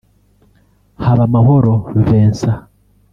Habamahoro Vincent